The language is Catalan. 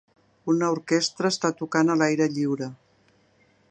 Una orquestra està tocant a l'aire lliure.